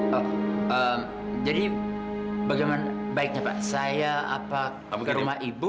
oh jadi bagaimana baiknya pak saya apa ke rumah ibu